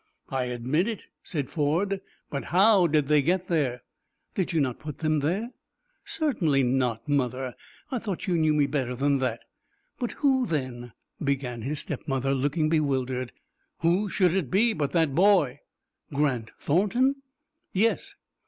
"I admit it," said Ford; "but how did they get there?" "Did you not put them there?" "Certainly not, mother. I thought you knew me better than that." "But who, then " began his step mother, looking bewildered. "Who should it be but that boy?" "Grant Thornton?" "Yes."